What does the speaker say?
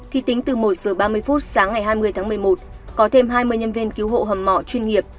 khi tính từ một h ba mươi sáng ngày hai mươi tháng một mươi một có thêm hai mươi nhân viên cứu hộ hầm mỏ chuyên nghiệp